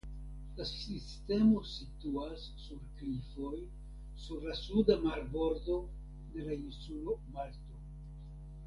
La sistemo situas sur klifoj sur la suda marbordo de la insulo Malto.